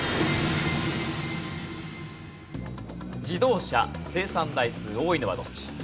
自動車生産台数多いのはどっち？